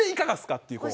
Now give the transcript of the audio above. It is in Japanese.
っていう。